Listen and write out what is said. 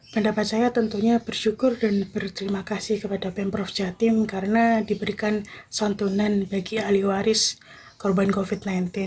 pendapat saya tentunya bersyukur dan berterima kasih kepada pemprov jatim karena diberikan santunan bagi ahli waris korban covid sembilan belas